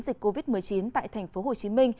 dịch covid một mươi chín tại tp hcm